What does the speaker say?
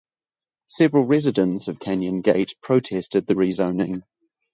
Several residents of Canyon Gate protested the rezoning.